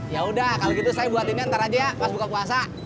yaudah kalau gitu saya buatinnya ntar aja ya pas buka puasa